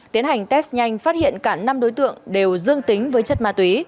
tiến hành test nhanh phát hiện cả năm đối tượng đều dương tính với chất ma túy